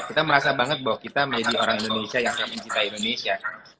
kita merasa banget bahwa kita menjadi orang indonesia yang akan mencintai indonesia